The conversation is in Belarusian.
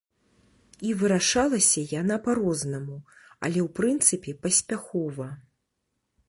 І вырашалася яна па-рознаму, але ў прынцыпе паспяхова.